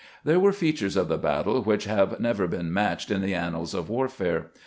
There were features of the battle which have never been matched in the annals of warfare.